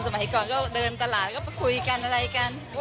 สมัยก่อนก็เดินตลาดก็ไปคุยกันอะไรกัน